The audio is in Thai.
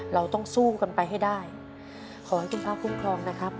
เราต้องสู้กันไปให้ได้ขอให้คุณพระคุ้มครองนะครับ